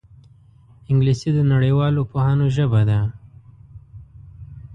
انګلیسي د نړیوالو پوهانو ژبه ده